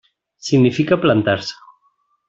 Significa plantar-se.